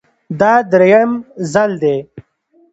دا درېیم ځل دی